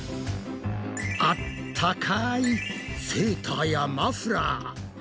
あったかいセーターやマフラー。